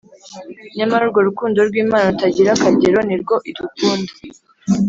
Nyamara urwo rukundo rw’Imana rutagira akagero nirwo idukunda